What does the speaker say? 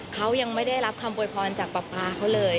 เขายังไม่ได้รับคำโวยพรจากป๊าป๊าเขาเลย